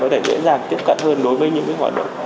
có thể dễ dàng tiếp cận hơn đối với những hoạt động